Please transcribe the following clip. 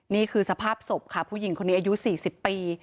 นี่คือสภาพศพค่ะผู้หญิงคนนี้อายุ๔๐ปี